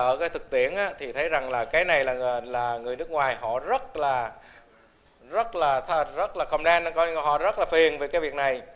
ở cái thực tiễn thì thấy rằng là cái này là người nước ngoài họ rất là kham đen coi họ rất là phiền về cái việc này